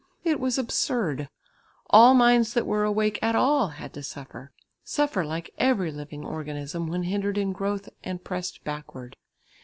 It was absurd! All minds that were awake at all had to suffer, suffer like every living organism when hindered in growth and pressed backward.